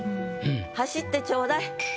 走ってちょうだい。